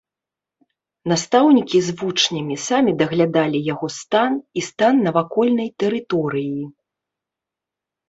Настаўнікі з вучнямі самі даглядалі яго стан і стан навакольнай тэрыторыі.